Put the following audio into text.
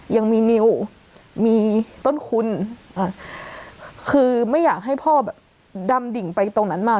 ยังมีนิวมีต้นคุณคือไม่อยากให้พ่อแบบดำดิ่งไปตรงนั้นมา